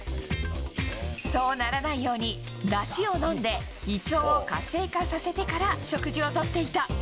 そうならないようにだしを飲んで胃腸を活性化させてから食事をとっていた。